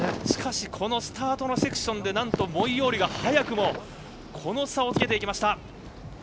しかしスタートセクションなんとモイオーリが早くもこの差をつけていきました。